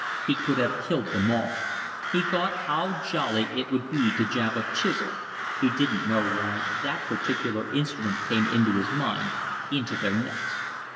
He could have killed them all. He thought how jolly it would be to jab a chisel (he didn't know why that particular instrument came into his mind) into their necks.